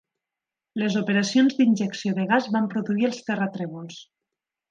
Les operacions d'injecció de gas van produir els terratrèmols.